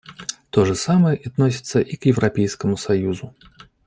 То же самое относится и к Европейскому союзу.